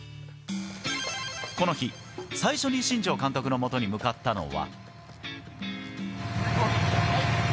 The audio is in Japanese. この日、最初に新庄監督のもとに向かったのは。